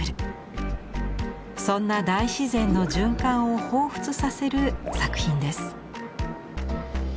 そんな大自然の循環をほうふつさせる作品です。